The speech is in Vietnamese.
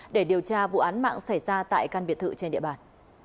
để điều tra vụ án mạng xảy ra tại căn biệt thự trên địa bàn